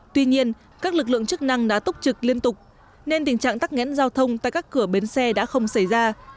tuy nhiên các lực lượng chức năng đã túc trực liên tục nên tình trạng tắc nghẽn giao thông tại các cửa bến xe đã không xảy ra